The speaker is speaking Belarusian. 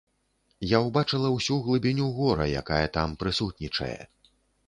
Я ўбачыла ўсю глыбіню гора, якая там прысутнічае.